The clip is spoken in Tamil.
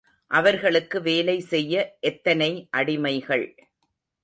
அவர்களுக்கு வேலை செய்ய எத்தனை அடிமைகள்.